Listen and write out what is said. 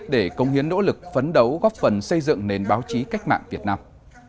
để công hiến nỗ lực phấn đấu góp phần xây dựng nền báo chí cách mạng việt nam